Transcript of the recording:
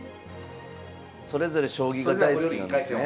それぞれ将棋が大好きなんですね。